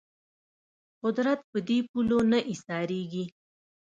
قدرت په دې پولو نه ایسارېږي